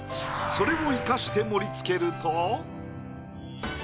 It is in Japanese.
それを生かして盛りつけると。